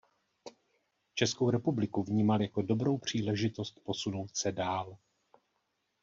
Českou republiku vnímal jako dobrou příležitost posunout se dál.